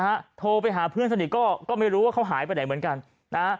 ฮะโทรไปหาเพื่อนสนิทก็ก็ไม่รู้ว่าเขาหายไปไหนเหมือนกันนะฮะ